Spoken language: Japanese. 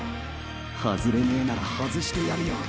外れねぇなら外してやるよ！！